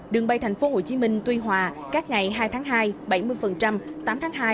đường bay tp hcm tuy hòa các ngày hai tháng hai bảy mươi tám tháng hai tám mươi năm và chín tháng hai bảy mươi hai